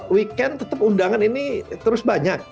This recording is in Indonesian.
weekend tetap undangan ini terus banyak